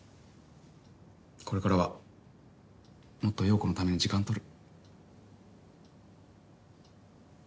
これからはもっと陽子のために時間取る。